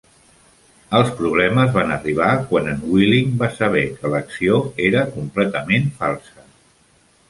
Els problemes van arribar quan en Willing va saber que l'acció era completament falsa.